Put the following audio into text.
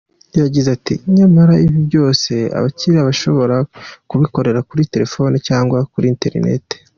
Yagize ati “Nyamara ibi byose abakiriya bashobora kubikorera kuri telefoni cyangwa kuri internet.